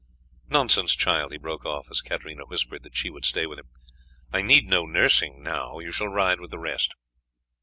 "Nonsense, child!" he broke off as Katarina whispered that she would stay with him; "I need no nursing now; you shall ride with the rest."